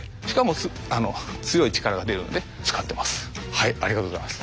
これありがとうございます。